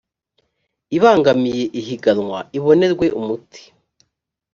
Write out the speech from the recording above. ibangamiye ihiganwa ibonerwe umuti